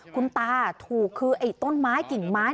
คุณตาถูกคือไอ้ต้นไม้กิ่งไม้